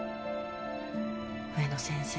植野先生